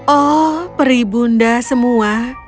oh peri bunda semua